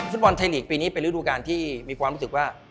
ฟุตบอลไทยลีกปีนี้เป็นฤดูการที่มีความรู้สึกว่า